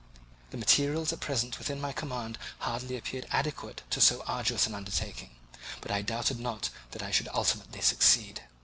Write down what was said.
The materials at present within my command hardly appeared adequate to so arduous an undertaking, but I doubted not that I should ultimately succeed.